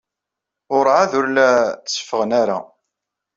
Werɛad ur la... tteffɣen ara.